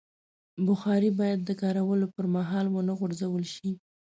بخاري باید د کارولو پر مهال ونه غورځول شي.